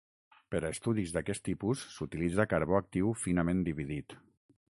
Per a estudis d'aquest tipus s'utilitza carbó actiu finament dividit.